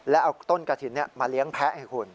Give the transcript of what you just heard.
แล้วเอาต้นกระถิ่นมาเลี้ยงแพ้ให้คุณ